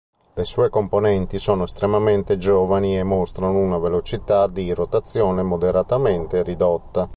Le sue componenti sono estremamente giovani e mostrano una velocità di rotazione moderatamente ridotta.